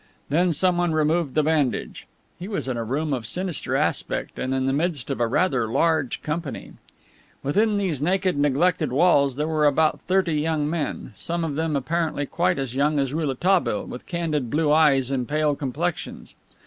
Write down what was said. Then someone removed the bandage. He was in a room of sinister aspect and in the midst of a rather large company. Within these naked, neglected walls there were about thirty young men, some of them apparently quite as young as Rouletabille, with candid blue eyes and pale complexions.